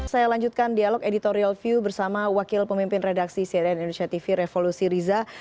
saya lanjutkan dialog editorial view bersama wakil pemimpin redaksi cnn indonesia tv revolusi riza